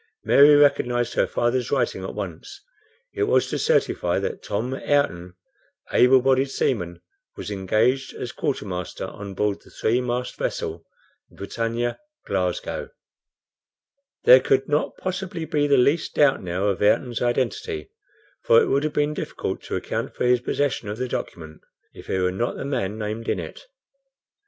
Mary recognized her father's writing at once. It was to certify that "Tom Ayrton, able bodied seaman, was engaged as quartermaster on board the three mast vessel, the BRITANNIA, Glasgow." There could not possibly be the least doubt now of Ayrton's identity, for it would have been difficult to account for his possession of the document if he were not the man named in it.